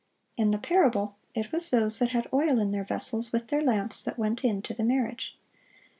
In the parable it was those that had oil in their vessels with their lamps that went in to the marriage.